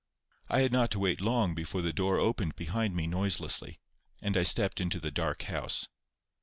I had not to wait long before the door opened behind me noiselessly, and I stepped into the dark house.